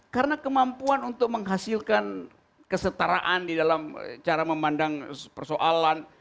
karena kemampuan untuk menghasilkan kesetaraan di dalam cara memandang persoalan